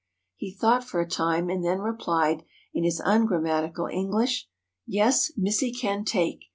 He thought for a time, and then replied in his un grammatical English :—" Yes, Missy can take.